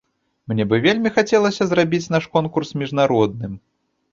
Мне бы вельмі хацелася зрабіць наш конкурс міжнародным.